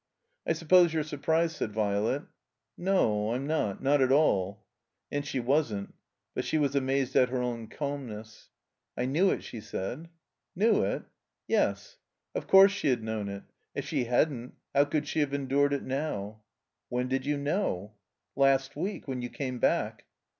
"I suppose you're surprised," said Violet. ''No, I'm not. Not at all." And she wasn't. But she was amazed at her own calmness. "I knew it," she said. •'Knew it?" "Yes." Of course she had known it. If she hadn't, how could she have endured it now? "When did you know?" "Last week. When you came back."